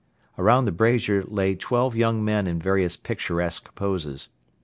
Around the brazier lay twelve young men in various picturesque poses.